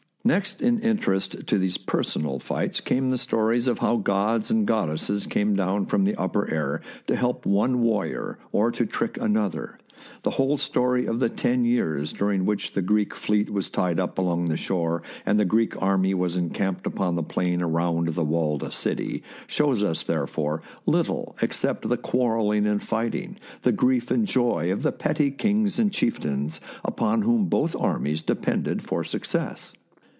Next in interest to these personal fights came the stories of how gods and goddesses came down from the upper air to help one warrior or to trick another. The whole story of the ten years during which the Greek fleet was tied up along the shore and the Greek army was encamped upon the plain around the walled city, shows us, therefore, little except the quarrelling and fighting, the grief and joy, of the petty kings and chieftains upon whom both armies depended for success.